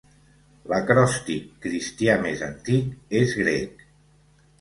L'acròstic cristià més antic és grec.